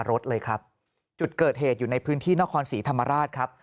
รถเลยครับจุดเกิดเหตุอยู่ในพื้นที่นครศรีธรรมราชครับ